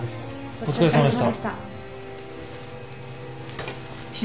お疲れさまでした。